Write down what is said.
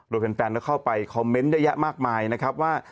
โดยแฟนก็เข้าไปคอมเมนต์เยอะแยะมากมายนะครับว่า